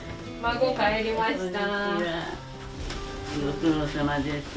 御苦労さまです。